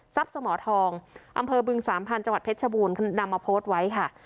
สมทองอำเภอบึงสามพันธ์จังหวัดเพชรชบูรณ์นำมาโพสต์ไว้ค่ะ